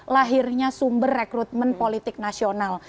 lahirnya sumber rekrutmen politik nasional